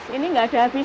dan dia sama sekali